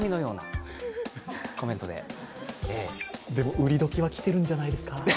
売り時は来てるんじゃないですか？